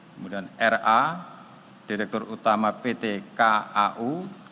kemudian ra direktur utama ptkau